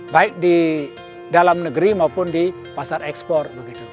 baik di dalam negeri maupun di pasar ekspor